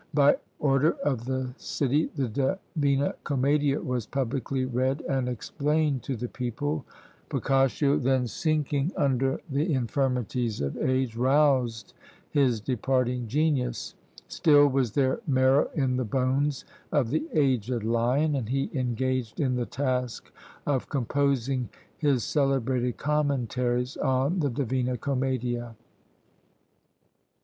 By order of the city, the Divina Commedia was publicly read and explained to the people. Boccaccio, then sinking under the infirmities of age, roused his departing genius: still was there marrow in the bones of the aged lion, and he engaged in the task of composing his celebrated Commentaries on the Divina Commedia.